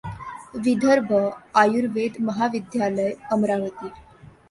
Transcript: Vidarbha Ayurved Mahavidyalaya, Amravati.